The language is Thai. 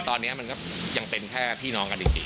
ตอนนี้มันก็ยังเป็นแค่พี่น้องกันจริง